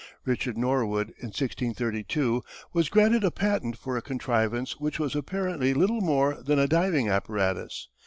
Richard Norwood, in 1632, was granted a patent for a contrivance which was apparently little more than a diving apparatus.